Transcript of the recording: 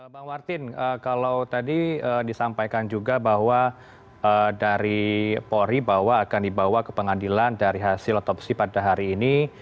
bang martin kalau tadi disampaikan juga bahwa dari polri bahwa akan dibawa ke pengadilan dari hasil otopsi pada hari ini